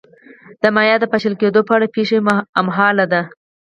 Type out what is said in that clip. د مایا د پاشل کېدو په اړه پېښه هممهاله ده.